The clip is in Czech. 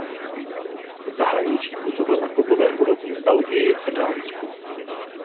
V zahraničí působil na klubové úrovni v Belgii a Dánsku.